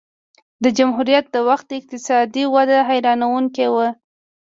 د جمهوریت د وخت اقتصادي وده حیرانوونکې وه